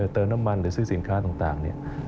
เติมน้ำมันหรือซื้อสินค้าต่างเนี่ย